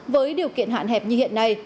với điều kiện hạn hẹp như hiện nay